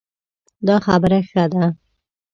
دا خبره ښه ده